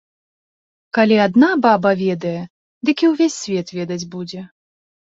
Калі адна баба ведае, дык і ўвесь свет ведаць будзе.